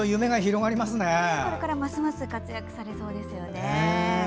これからますます活躍されそうですよね。